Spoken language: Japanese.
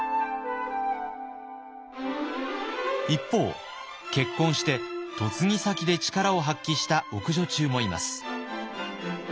一方結婚して嫁ぎ先で力を発揮した奥女中もいます。